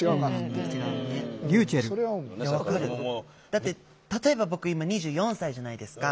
だって例えば僕今２４歳じゃないですか。